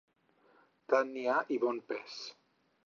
Tant n'hi ha i bon pes.